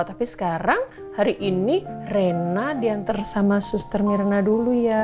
tapi sekarang hari ini rena diantar sama suster mirna dulu ya